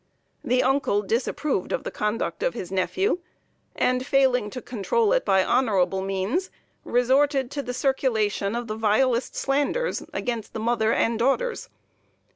The uncle disapproved of the conduct of his nephew, and failing to control it by honorable means, resorted to the circulation of the vilest slanders against mother and daughters.